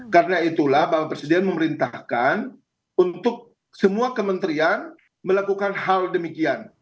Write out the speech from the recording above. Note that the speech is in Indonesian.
karena itulah bapak presiden memerintahkan untuk semua kementerian melakukan hal demikian